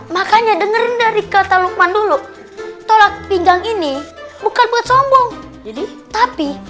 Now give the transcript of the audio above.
makanya dengerin dari kata lukman dulu tolak pinggang ini bukan buat sombong jadi tapi